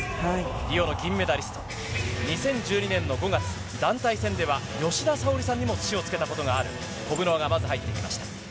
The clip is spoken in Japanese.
リオの金メダリスト、２０１２年の５月、団体戦では、吉田沙保里さんにも土をつけたことがあるコブロワがまず入ってきました。